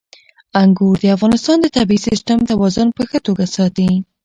انګور د افغانستان د طبعي سیسټم توازن په ښه توګه ساتي.